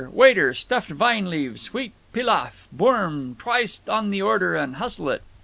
Waiter! Stuffed vine leaves, wheat p'laf, bourm'—twice on the order and hustle it."